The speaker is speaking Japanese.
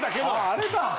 あれか。